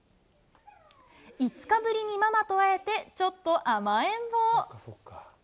５日ぶりにママと会えて、ちょっと甘えん坊。